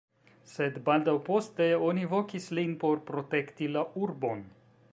Sed baldaŭ poste oni vokis lin por protekti la urbon.